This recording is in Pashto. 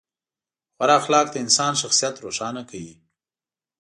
غوره اخلاق د انسان شخصیت روښانه کوي.